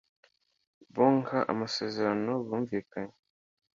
Bo nk amasezerano bumvikanyeho